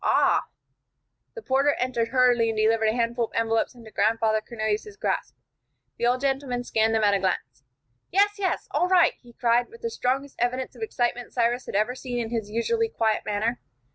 Ah " The porter entered hurriedly, and delivered a handful of envelopes into Grandfather Cornelius's grasp. The old gentleman scanned them at a glance. "Yes, yes all right!" he cried, with the strongest evidences of excitement Cyrus had ever seen in his usually quiet manner.